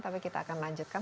tapi kita akan lanjutkan